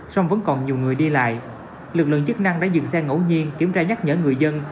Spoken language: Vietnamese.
song vẫn còn nhiều người đi lại lực lượng chức năng đã dừng xe ngẫu nhiên kiểm tra nhắc nhở người dân